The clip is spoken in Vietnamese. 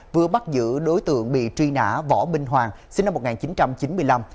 vừa bắt giữ đối tượng bị truy nã võ minh hoàng sinh năm một nghìn chín trăm chín mươi năm